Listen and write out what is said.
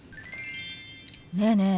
ねえねえ